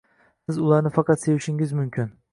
Siz ularni faqat sevishingiz mumkin